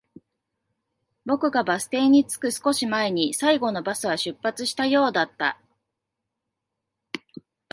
僕がバス停に着く少し前に、最後のバスは出発したようだった